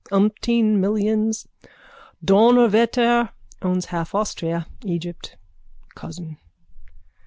Umpteen millions. Donnerwetter! Owns half Austria. Egypt. Cousin.